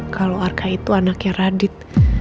kalau arka itu anaknya radit